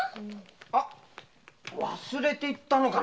あ忘れていったのかな？